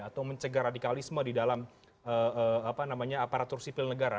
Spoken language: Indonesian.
atau mencegah radikalisme di dalam aparatur sipil negara